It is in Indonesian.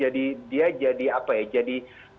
dia jadi apa ya jadi